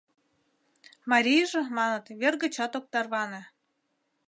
Марийже, маныт, вер гычат ок тарване.